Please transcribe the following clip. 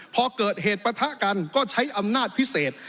พอเกิดเหตุปะทะกันก็ใช้อำนาจพิเศษ